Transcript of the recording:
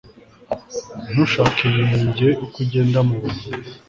Ntushake inenge uko ugenda mubuzima